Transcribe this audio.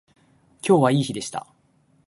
今日はいい日でした